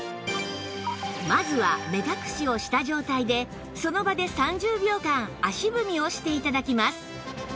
まずは目隠しをした状態でその場で３０秒間足踏みをして頂きます